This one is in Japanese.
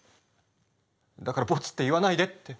だからボツって言わないでって。